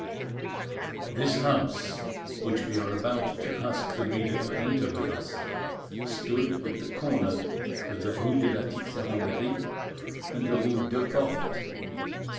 This house, which we are about to ask the reader to enter with us, stood at the corner of the rue de la Tixeranderie and the rue Deux Portes.